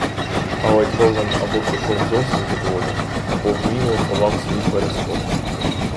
Але човен або пішов зовсім під воду, або вміло ховав свій перископ.